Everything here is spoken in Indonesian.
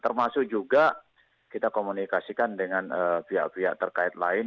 termasuk juga kita komunikasikan dengan pihak pihak terkait lain